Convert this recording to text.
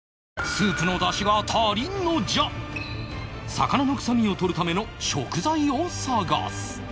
魚の臭みを取るための食材を探す